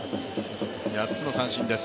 ８つの三振です。